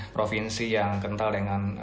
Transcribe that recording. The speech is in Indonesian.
provinsi yang kental dengan